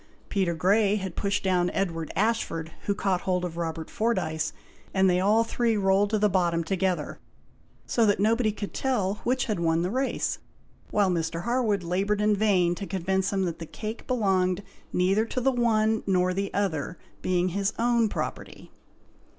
Peter Grey had pushed down Edward Ashford, who caught hold of Robert Fordyce, and they all three rolled to the bottom together, so that nobody could tell which had won the race; while Mr. Harwood laboured in vain to convince them that the cake belonged neither to the one nor the other, being his own property.